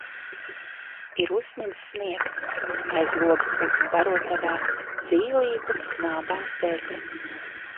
Ir uzsnidzis sniegs, aiz loga putnu barotavā zīlītes knābā sēkliņas.